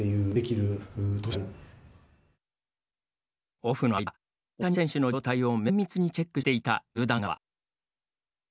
オフの間大谷選手の状態を綿密にチェックしていた球団側。